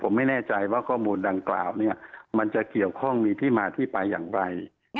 ผมไม่แน่ใจว่าข้อมูลดังกล่าวมันจะเกี่ยวข้องมีที่มาที่ไปอย่างไร